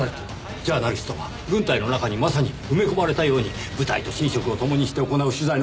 ジャーナリストが軍隊の中にまさに埋め込まれたように部隊と寝食をともにして行う取材の事です。